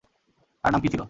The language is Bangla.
তার নাম কি ছিলো?